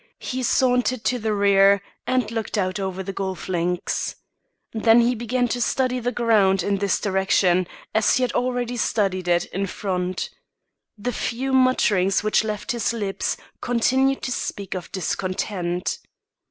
He sauntered to the rear, and looked out over the golf links. Then he began to study the ground in this direction, as he had already studied it in front. The few mutterings which left his lips continued to speak of discontent.